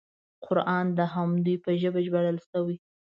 قران د همدوی په ژبه نازل شوی.